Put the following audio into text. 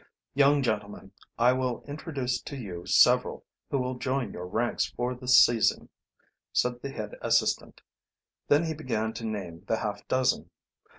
"Young gentlemen, I will introduce to you several who will join your ranks for this season," said the head assistant. Then he began to name the half dozen.